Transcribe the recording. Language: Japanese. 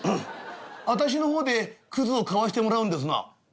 あたしの方でくずを買わしてもらうんですな」。